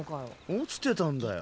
落ちてたんだよ。